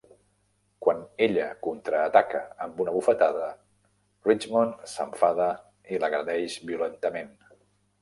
Quan ella contraataca amb una bufetada, Richmond s'enfada i l'agredeix violentament.